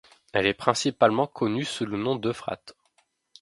Elle est principalement connue sous le nom dEufrat.